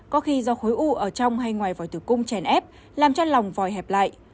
có khi do khối u ở trong hay ngoài voi từ cung chèn ép làm cho lòng voi hẹp lại